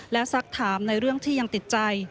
และสักถามในเรื่องที่ยังติดใจ